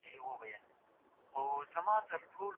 هغه کلمه چې غلط وليکل شي ګډوډي راولي.